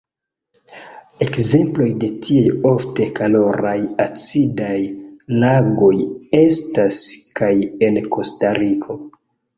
Ekzemploj de tiaj ofte koloraj acidaj lagoj estas kaj en Kostariko.